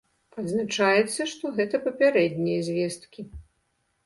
Адзначаецца, што гэта папярэднія звесткі.